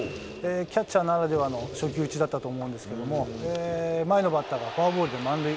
キャッチャーならではの初球打ちだったと思うんですけれども、前のバッターがフォアボールで満塁。